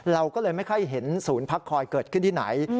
เราก็เลยไม่ค่อยเห็นศูนย์พักคอยเกิดขึ้นที่ไหน